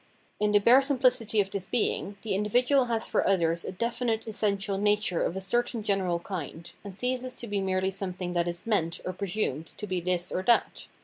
In the bare simphcity of this being, the individual has for others a definite essential nature of a certain general kind, and ceases to be merely something that is " meant " or " presumed " to be this or that.